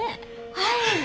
はい！